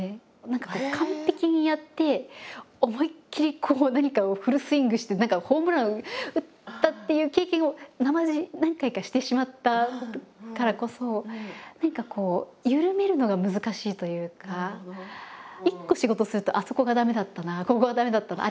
何かこう完璧にやって思いっきり何かをフルスイングして何かホームラン打ったという経験をなまじ何回かしてしまったからこそ何かこう一個仕事するとあそこが駄目だったなここは駄目だったな